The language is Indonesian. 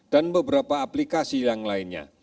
dan beberapa aplikasi yang lainnya